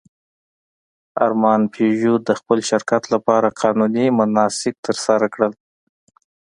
ارمان پيژو د خپل شرکت لپاره قانوني مناسک ترسره کړل.